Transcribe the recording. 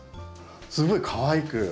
すごいかわいく。